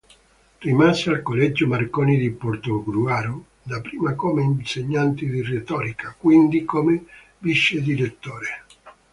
Rimase al Collegio Marconi di Portogruaro dapprima come insegnante di retorica, quindi come vicedirettore.